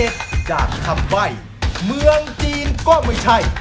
จากคำใบ้เมืองจีนก็ไม่ใช่